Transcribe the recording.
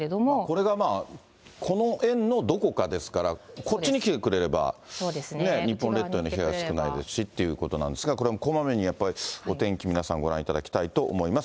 これが、この円のどこかですから、こっちに来てくれれば、日本列島の被害少ないですしっていうことなんですが、これもこまめにやっぱり、お天気皆さん、ご覧いただきたいと思います。